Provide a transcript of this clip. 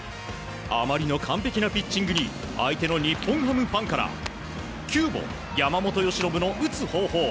あまりの完璧なピッチングに相手の日本ハムファンから急募、山本由伸の打つ方法。